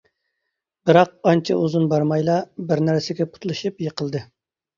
بىراق ئانچە ئۇزۇن بارمايلا بىر نەرسىگە پۇتلىشىپ يىقىلدى.